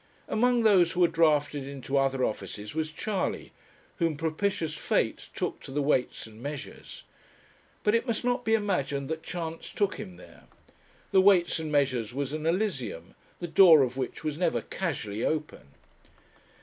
Among those who were drafted into other offices was Charley, whom propitious fate took to the Weights and Measures. But it must not be imagined that chance took him there. The Weights and Measures was an Elysium, the door of which was never casually open.